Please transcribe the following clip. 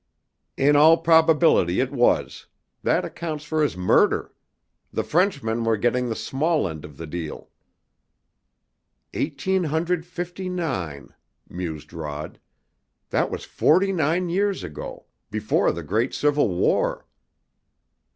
"In all probability it was. That accounts for his murder. The Frenchmen were getting the small end of the deal." "Eighteen hundred fifty nine," mused Rod. "That was forty nine years ago, before the great Civil War.